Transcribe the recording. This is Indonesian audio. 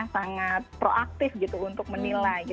sangat proaktif gitu untuk menilai